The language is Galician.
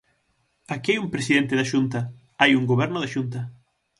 Aquí hai un presidente da Xunta, hai un Goberno da Xunta.